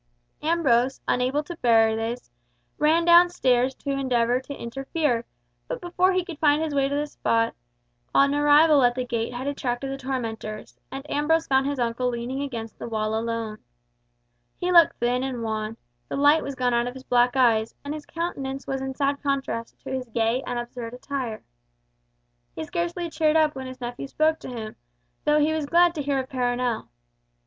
Ambrose, unable to bear this, ran down stairs to endeavour to interfere; but before he could find his way to the spot, an arrival at the gate had attracted the tormentors, and Ambrose found his uncle leaning against the wall alone. He looked thin and wan, the light was gone out of his black eyes, and his countenance was in sad contrast to his gay and absurd attire. He scarcely cheered up when his nephew spoke to him, though he was glad to hear of Perronel.